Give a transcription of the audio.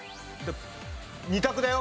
２択だよ。